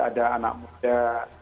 ada anak muda